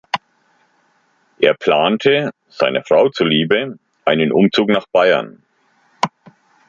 Er plante seiner Frau zuliebe einen Umzug nach Bayern.